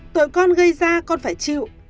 tội con gây ra con phải chịu